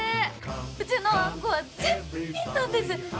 うちのあんこは絶品なんです。